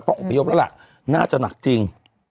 ต้องอุ้พยศแล้วล่ะน่าจะหนักจริง